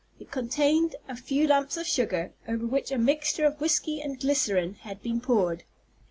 It contained a few lumps of sugar, over which a mixture of whiskey and glycerine had been poured.